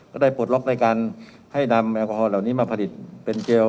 ได้ปลดล็อกในการให้นำแอลกอฮอลเหล่านี้มาผลิตเป็นเจล